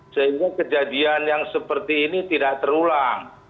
sehingga kejadian yang seperti ini tidak terulang